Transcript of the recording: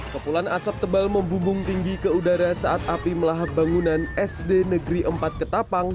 kepulan asap tebal membumbung tinggi ke udara saat api melahap bangunan sd negeri empat ketapang